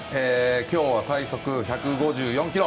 今日は最速１５４キロ。